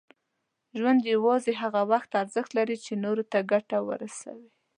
ژوند یوازې هغه وخت ارزښت لري، چې نور ته ګټه ورسوي.